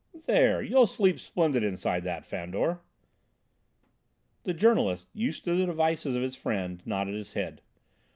"There! You'll sleep splendid inside that, Fandor." The journalist, used to the devices of his friend, nodded his head.